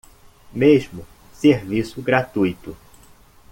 Mesmo serviço gratuito